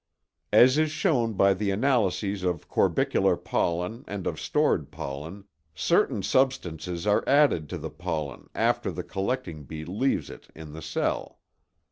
As is shown by the analyses of corbicular pollen and of stored pollen, certain substances are added to the pollen after the collecting bee leaves it in the cell.